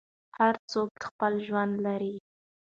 هر څوک خپل ژوند لري.